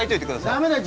ダメだよ